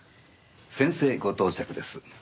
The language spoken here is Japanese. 先生ご到着です。